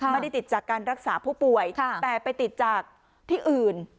ไม่ได้ติดจากการรักษาผู้ป่วยแต่ไปติดจากที่อื่น